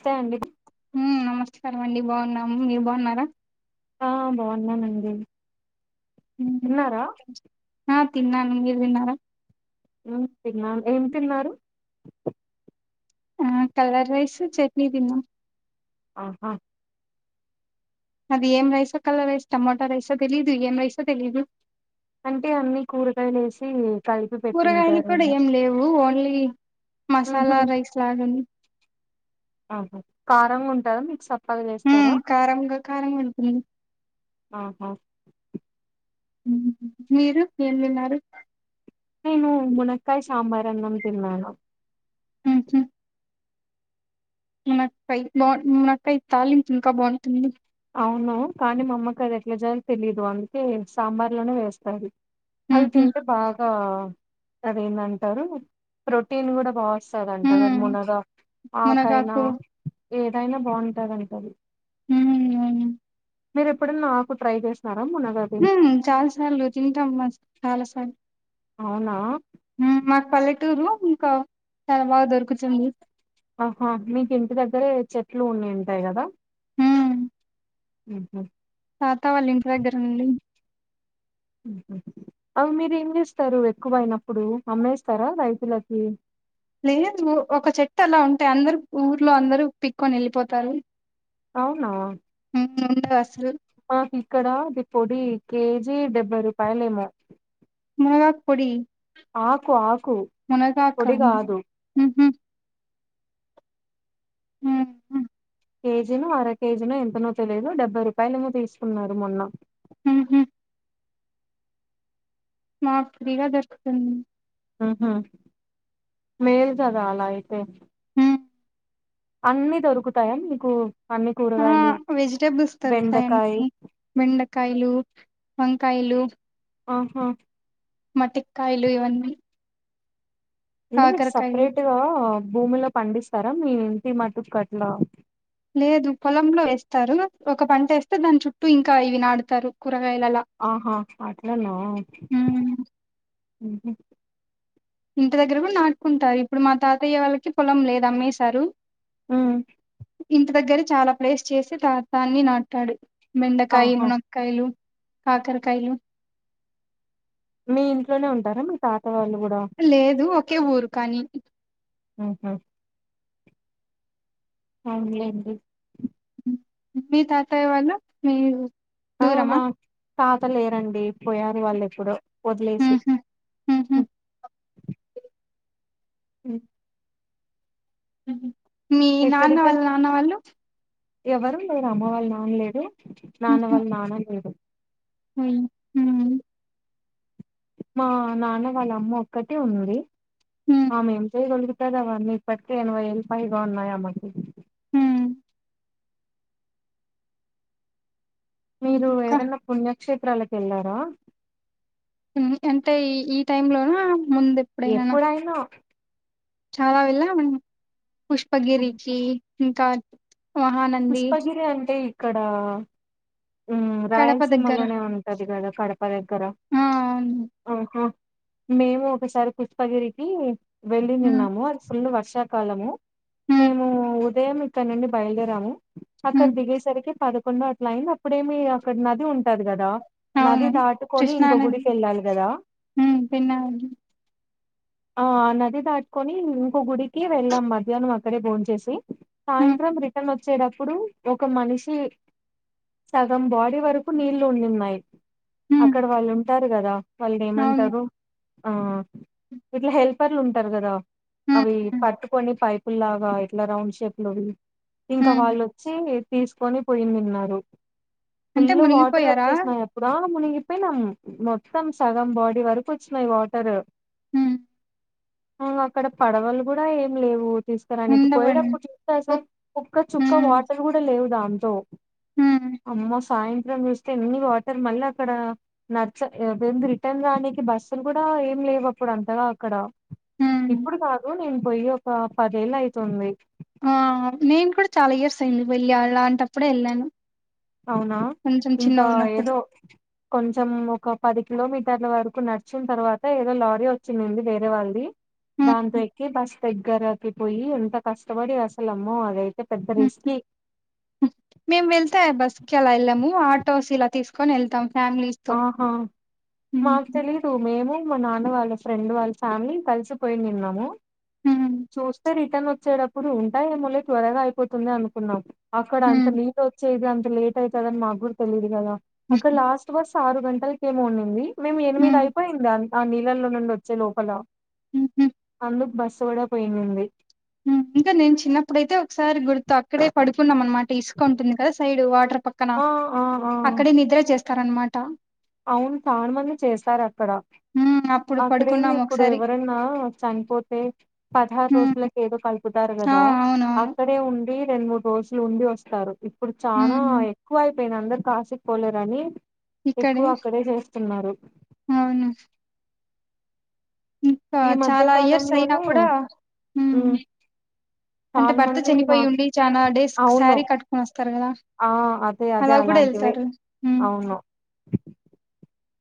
స్తే అండి ఉ నమస్కారం అండి బాగున్నాం మీరు బాగున్నారా ఆ బాగున్నానండి ఉమ్. తిన్నారా ఆ తిన్నాను మీరు తిన్నారా తిన్నా ఏం తిన్నారు ఆ కలర్ రైస్ చట్నీ దిన్నా ఆహా అది ఏం రైసో కలర్ రైస్ టమోటా రైసా తెలియదు ఏం రైసా తెలియదు అంటే అన్ని కూరగాయలేసి కూరగాయలు కూడా ఏం లేవు ఓన్లీ ఉహు మసాలా రైస్ లాగాడి అ కారంగా ఉంటాదా మీకు స హ్మ్ చేస్తారా కారంగా కారంగా ఉంటుంది ఆహ మీరు ఏం తిన్నారు నేను మునక్కాయ సాంబార్ అన్నం తిన్నాను ఉహు మునక్కాయ బా మునక్కాయ తాలింపు ఇంకా బాగుంటుంది అవును కానీ మా అమ్మకి అది ఎట్లా చేయాలో తెలిదు అందుకే సాంబార్లోనే వేస్తాది అవి ఉహు తింటే బాగా అది ఏందంటారు ప్రోటీన్ కూడా బాగా వస్తుదంట హ్మ్ మునగాకు ఆకైనా మునగాకు ఏదైనా బాగుంటదంటది ఉహు మీరు ఎప్పుడునా ఆకు ట్రై చేసన్నారా మునగాకు ఉం చాలా సార్లు తింటాం మా చాలా సార్లు అవునా ఉం మాకు పల్లెటూరు ఇంకా చాలా బాగా దొరుకుతుంది ఆహా మీకు ఇంటి దగ్గరే చెట్లు ఉన్ని ఉంటాయి కదా ఉం హు హామ్ తాతా వాళ్ళ ఇంటి దగ్గర ఉంది ఆ మీరు ఏం చేస్తారు ఎక్కువయినప్పుడు అమ్మేస్తారా రైతులకి లేదు ఒక చెట్టు అలా ఉంటే అందరు ఊర్లో అందరు పిక్కొని వెళ్ళిపోతారు. అవునా ఉండదు అసలు [unintelligible] మాకు ఇక్కడ ది పొడి కేజీ డెబ్బై రూపాయలేమో మునగాకు పొడి, ఆకు ఆకు పొడి కాదు, హు హామ్ [unintelligible] కేజీను అర కేజీ ను ఎంతనో తెలియదు డెబ్బై రూపాయలుమో తీసుకున్నారు మొన్న హు హామ్ మాకు ఫ్రీగా దొరుకుతుంది. ఆహా మేల్ కదా అలా అయితే ఉం అన్ని దొరుకుతాయా మీకు అన్ని ఆ కూరగాయలు, వెజిటేబుల్స్ బెండకాయ దొరుకుతాయండి బెండకాయలు, వంకాయలు ఆహా మటిక కాయలు ఇవన్నీ అంటే మీరు కాకరకాయలు సపరేట్ గా భూమిలో పండిస్తారా, మీ ఇంటి మటుకు అట్లా లేదు పొలంలో వేస్తారు ఒక పంట వేస్తే దాని చుట్టూ ఇంకా ఇవి నాటుతారు కూరగాయలలా, ఆహా అట్లాన్నా హు హ్మ్. హమ్ ఇంటి దగ్గర కూడా నాటుకుంటారు, ఇప్పుడు మా తాతయ్య వాళ్ళకి పొలం లేదు అమ్మేశారు ఉమ్ ఇంటి దగ్గర చాలా ప్లేస్ చేసి దాన్ని నాటతాడు. బెండకాయ, ఆహా మునగకాయలు, కాకరకాయలు మీ ఇంట్లోనే ఉంటారా మీ తాత వాళ్ళు కూడా లేదు ఒకే ఊరు కానీ ఆహా అవును లెండి మీ తాతయ్య వాళ్ళు మీరూ ఆ మా తాత లేరండి పోయారు వాళ్ళు ఎప్పుడో వదిలేసి, హు హామ్ హ్మ్. ఉం మీ నాన్న ఎక్కడికన్ వాళ్ళ నాన్న వాళ్ళు ఎవరు లేరు అమ్మ వాళ్ళ నాన్న లేడు నాన్న వాళ్ళ నాన్న లేడు, అయి మా నాన్న వాళ్ళ అమ్మ ఒక్కటే ఉది హ్మ్ ఆమె ఏమ్ చెయ్యగలదు, [unintelligible] ఇదవన్ ఇప్పకకి ఎన్వై ఎల్ ఫైద అన్ నయ మంది ఉ మీరు ఏదన్నా పుణ్యక్షేత్రాలకు వెళ్ళారా ఉమ్ అంటే ఈ ఈ టైమ్లోనా ముందు ఎప్పుడైనా చాలా వెళ్ళమను పుష్పగిరికి ఇంకా మహానంది, పుష్పగిరి అంటే ఇక్కడ ఉమ్ కడప దగ్గర. రాయలసీమలోనే ఉన్ టాది కదా కడప దగ్గర ఆ! అవును. ఆహా మేము ఒకసారి పుష్పగిరికి హ్మ్. వెళ్ళినిన్నాము అది ఫుల్ వర్షం కాలము హ్మ్. మేము ఉదయం ఇక్కడ నుండి బయలుదేరాము అక్కడ హ్మ్. దిగేసరికి పదకొండు అట్లా అయింది అప్పుడేమి అక్కడ నది ఉంటది కదా. నది అవును. దాటుకొని ఇంకొ కృష్ణానది. గుడికి వెళ్ళాలి కదా హ్మ్. పెన్నా నది. ఆ ఆ నది దాటుకొని ఇంకో గుడికి వెళ్ళాం మధ్యాహ్నం అక్కడే భోంచేసి. హ్మ్. సాయంత్రం రిటర్న్ వచ్చేటప్పుడు ఒక మనిషి సగం బాడీ వరకు నీళ్ళు వున్నిన్నాయ్ హ్మ్. అక్కడ వాళ్ళు ఉంటారు కదా వాళ్ళని అవును. ఏమంటారు ఆ ఇట్లా హెల్పర్లు ఉంటారు కదా హ్మ్. అవి హ్మ్. పట్టుకొని పై పుల్లాగా ఇట్లా రౌండ్ షేప్లో ఇంకా హ్మ్. వాళ్ళోచ్చి తీసుకొని పొయిన్నిన్నారు అంటే ఫుల్ వాటర్ మునిగిపోయారా? వచ్చేసినాయి అప్ పుర మునింగిపోయినం మొత్తం సగం బాడీ వరకు వచ్చినాయి వాటరు. ఉ ఉంగ్ అక్కడ పడవలు కూడా ఏం లేవు తీసుకురానికి ఉండవండి. పోయేటప్పుడు చూస్తే అసల్ ఓక్ ఒక్క చుక్క హ్మ్. వాటర్ కూడా లేవు దాంతో హ్మ్. అమ్మ సాయంత్రం చూస్త్ స్తే ఎన్ని వాటర్ మళ్ళీ అక్కడ నచ్చ అవేంది రిటర్న్ రానికి బస్సులు కూడా ఏం లేవు అప్పుడు అంతగా అక్కడ. హ్మ్. ఇప్పుడు కాదు నేను పోయి ఒక పదేళ్లు అయితుంది. ఆ నేను కూడా చాలా ఇయర్స్ అయింది వెళ్ళి అలాంటప్పుడే వెళ్ళాను. అవునా ఇంకా ఏదో కొంచెం ఒక పది కిలోమీటర్ల వరకు నడిచిన తర్వాత ఏదో లారీ వచ్చినిది వేరే వాళ్ళది. హ్మ్. దాంతో హ్మ్. ఎక్కి బస్ దగ్గరకి పోయి ఎంత కష్టపడి అసలమ్మో అదైతే పెద్ద రిస్కి. మేము వెళ్తే బస్కి అలా వెళ్ళాము ఆటోస్ ఇలా తీసుకొని వెళ్తాం ఫ్యామిలీస్. తో ఆ హా హ్మ్. మాకు తెలీదు మేము మా నాన్న వాళ్ళ ఫ్రెండ్ వాళ్ళ ఫ్యామిలీ కలిసిపోయి పోయిన్నినాము. హ్మ్. చూస్తే రిటర్న్ వచ్చేటప్పుడు ఉంటాయేమోలే త్వరగా అయిపోతుంది అనుకున్నాం. అక్కడ అంత హ్మ్. నీళ్ళు వచ్చేది అంత లేట్ అవుతుందని మాకు కూడా తెలియదు కదా, అక్కడ హ్మ్. లాస్ట్ బస్ ఆరు గంటలకేమో వున్నింది మేము ఎనిమిది అయిపోయింది ఆ ఆ నీళ్ళల్లో నుండి వచ్చే లోపలా. హుహు. అందుకు బస్సు కూడా పోయిన్నింది హ్మ్. ఇంకా నేను చిన్నప్పుడైతే ఒకసారి గుర్తు అక్కడే పడుకున్నాం అనమాట ఇసుక వుంటుంది కదా సైడు వాటర్ పక్కన ఆ ఆ ఆ అక్కడే నిద్ర చేస్తారనమాట అవును చానా మంది చేస్తారు అక్కడ హ్మ్. అప్పుడు అక్కడేమి పడుకున్నాం ఇప్పుడు ఒకసారి ఎవరన్నా చనిపోత్ తే పదహారు హ్మ్. రోజులకి ఏదో కలుపుతారు ఆ కదా అక్కడ అవునవును అక్కడే ఉండి రెండు మూడు రోజులు ఉండి వస్తారు ఇప్పుడు చానా హ్మ్. ఎక్కువై పోనా అందరు కాశీ పోలేరని ఎక్కువ ఇక్కడే అక్కడే చేస్తున్నారు. అవును క ఈ మధ్య చాలా ఇయర్స్ అయినా కాలంలోనే కూడా ఉమ్ అంటే చాలా భర్త మంది మా చనిపోయి ఉండి చానా డేస్ అవును శారీ కట్టుకొని వస్తారు కదా ఆ అదే అదే అలా కూడా అలాంటివే వెళ్తారు ఉ అవును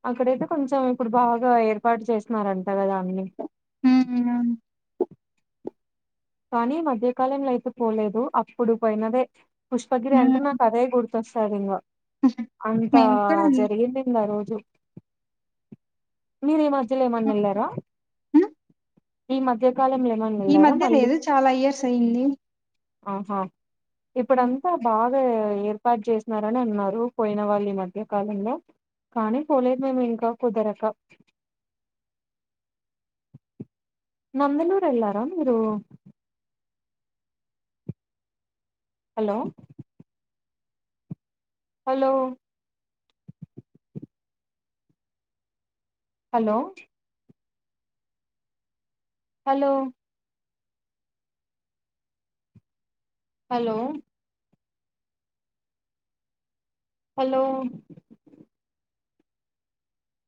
అక్కడైతే కొంచెం ఇప్పుడు బాగా ఏర్పాటు చేసినారంట కదా అన్ని ఉ ఊ కానీ మధ్యకాలంలో అయితే పోలేదు అప్పుడు పోయినదే పుష్పగిరి అంటే హ్మ్. నాకు అదే గుర్ ఒకసారి ఇంగ అంత మేము కూడా అండి. జరిగిందింది ఆరోజు మీరు ఈ మధ్యలో ఏమన్నా వెళ్లారా హ్మ్. ఈ మధ్యకాలంలో ఏమన్ ఈ మధ్య లేదు చాలా ఇయర్స్ అయ్యింది ఆహా ఇప్పుడంతా బా ఏర్పాటు చేసినారని అన్నారు పోయిన వాళ్ళు ఈ మధ్య కాలంలో కానీ పోలేదు మేము ఇంకా కుదరక నందనూరు వెళ్ళారా మీరు hello hello hello hello hello hello